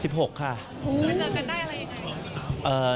ไปเจอกันได้อะไรยังไง